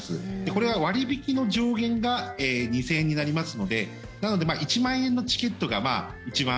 これは割引の上限が２０００円になりますのでなので１万円のチケットが一番